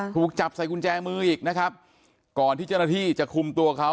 ถูกจับใส่กุญแจมืออีกนะครับก่อนที่เจ้าหน้าที่จะคุมตัวเขา